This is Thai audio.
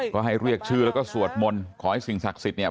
ก็ให้เรียกชื่อแล้วก็สวดมนต์ขอให้สิ่งศักดิ์สิทธิ์เนี่ย